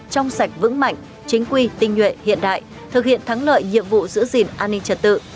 trong sạch vững mạnh chính quy tinh nhuệ hiện đại thực hiện thắng lợi nhiệm vụ giữ gìn an ninh trật tự